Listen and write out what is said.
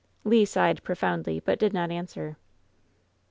Le sighed profoimdly, but did not answer.